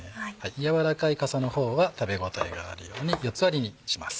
柔らかいかさの方は食べ応えがあるように４つ割りにします。